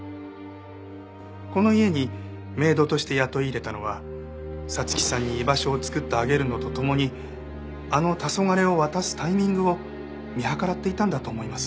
この家にメイドとして雇い入れたのは彩月さんに居場所を作ってあげるのとともにあの『黄昏』を渡すタイミングを見計らっていたんだと思います。